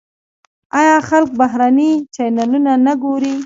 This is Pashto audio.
آیا خلک بهرني چینلونه نه ګوري؟